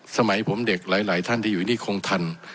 สมัยผมเด็กหลายท่านที่อยู่นี่คงทัน